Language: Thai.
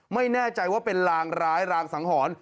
ไม่แน่ใจว่าเป็นรางร้ายรางสังหรณ์